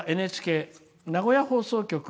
本日はＮＨＫ名古屋放送局